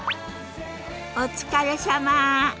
お疲れさま。